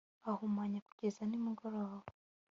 ahumanye kugeza nimugoroba